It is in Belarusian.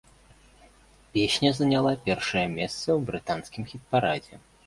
Песня заняла першае месца ў брытанскім хіт-парадзе.